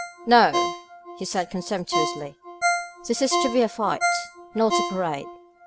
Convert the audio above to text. "No!" he said contemptuously. This is to be a fight, not a parade.